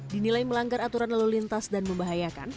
dinilai melanggar aturan lalu lintas dan membahayakan